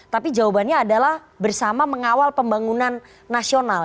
tapi jawabannya adalah bersama mengawal pembangunan nasional